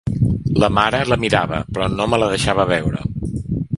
La mare la mirava, però no me la deixava veure.